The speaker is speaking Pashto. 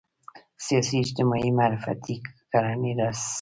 سیاسي اجتماعي معرفتي کړنې راسپړي